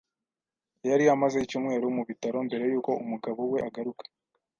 Yari amaze icyumweru mu bitaro mbere yuko umugabo we agaruka.